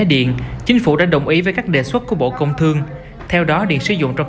điện chính phủ đã đồng ý với các đề xuất của bộ công thương theo đó điện sử dụng trong